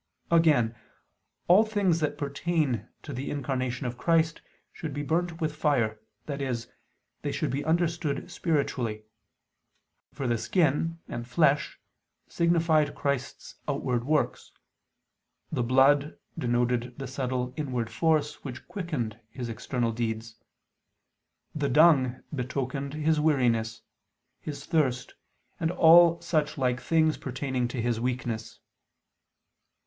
Again, all things that pertain to the Incarnation of Christ should be burnt with fire, i.e. they should be understood spiritually; for the "skin" and "flesh" signified Christ's outward works; the "blood" denoted the subtle inward force which quickened His external deeds; the "dung" betokened His weariness, His thirst, and all such like things pertaining to His weakness.